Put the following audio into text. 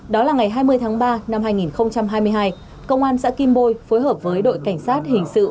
đó là ngày hai mươi tháng ba năm hai nghìn hai mươi hai công an xã kim bôi phối hợp với đội cảnh sát hình sự